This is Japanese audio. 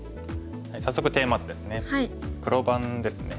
早速テーマ図ですね。